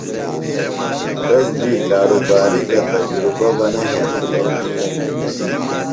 تس دی کارُباری گہ تجرُبہ بیۡ نہ ہنسِلوۡ دےۡ۔